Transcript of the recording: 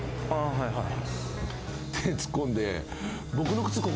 はいはい。